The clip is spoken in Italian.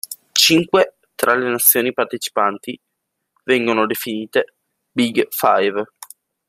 Cinque tra le nazioni partecipanti vengono definite "Big Five".